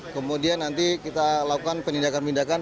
kemudian nanti kita lakukan penindakan penindakan